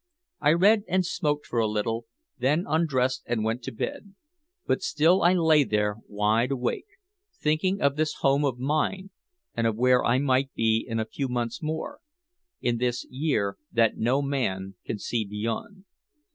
I read and smoked for a little, then undressed and went to bed. But still I lay there wide awake thinking of this home of mine and of where I might be in a few months more, in this year that no man can see beyond.